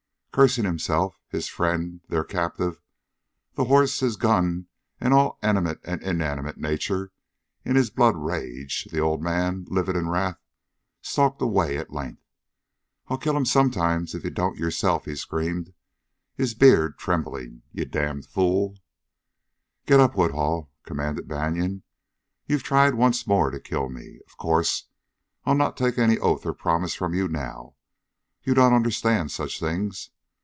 Cursing himself, his friend, their captive, the horse, his gun and all animate and inanimate Nature in his blood rage, the old man, livid in wrath, stalked away at length. "I'll kill him sometime, ef ye don't yerself!" he screamed, his beard trembling. "Ye damned fool!" "Get up, Woodhull!" commanded Banion. "You've tried once more to kill me. Of course, I'll not take any oath or promise from you now. You don't understand such things.